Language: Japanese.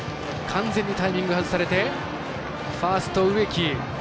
完全にタイミング外されてファースト植木。